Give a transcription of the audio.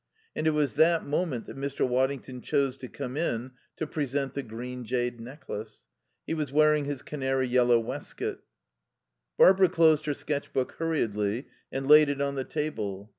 And it was that moment that Mr. Waddington chose to come in to present the green jade necklace. He was wearing his canary yellow waistcoat. Barbara closed her sketch book hurriedly and laid it on the table.